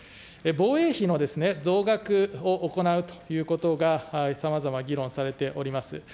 防衛費の増額を行うということがさまざま議論されております。